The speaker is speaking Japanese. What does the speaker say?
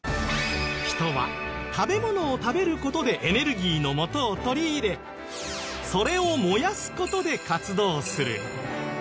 人は食べ物を食べる事でエネルギーのもとを取り入れそれを燃やす事で活動する。